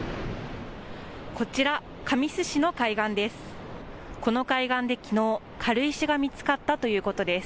こちら神栖市の海岸です。